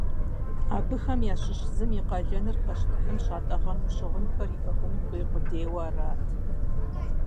Абыхэм ящыщ зым и къалэныр пащтыхьым щатӀэгъэну щыгъынхэр иӀыгъын хуей къудейуэ арат.